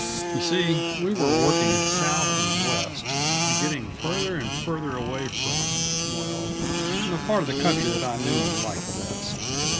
You see, we were working south and west, and getting farther and farther away from well, from the part of country that I knew and liked best.